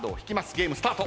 ゲームスタート。